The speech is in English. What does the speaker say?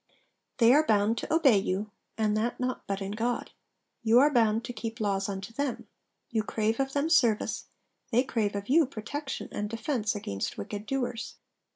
They are bound to obey you, and that not but in God. You are bound to keep laws unto them. You crave of them service: they crave of you protection and defence against wicked doers.'